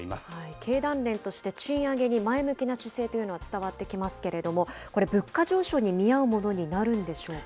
経団連として、賃上げに前向きな姿勢というのは伝わってきますけれども、これ、物価上昇に見合うものになるんでしょうか。